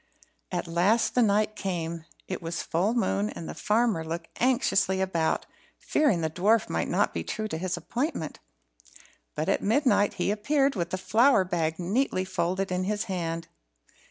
At last the night came. It was full moon, and the farmer looked anxiously about, fearing the dwarf might not be true to his appointment. But at midnight he appeared, with the flour bag neatly folded in his hand.